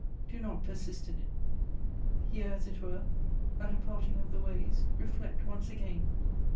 Do not persist in it. Here as it were, at a parting of the ways, reflect once again.